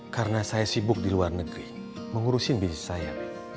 karena saya sibuk di luar negeri mengurusin bisnis saya